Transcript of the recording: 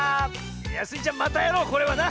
いやスイちゃんまたやろうこれはな！